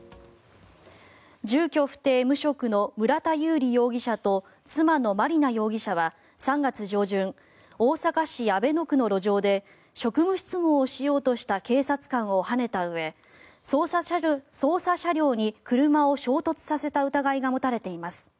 住居不定・無職の村田佑利容疑者と妻の麻里奈容疑者は３月上旬大阪市阿倍野区の路上で職務質問をしようとした警察官をはねたうえ捜査車両に車を衝突させた疑いが持たれています。